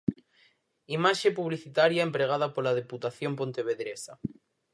Imaxe publicitaria empregada pola Deputación pontevedresa.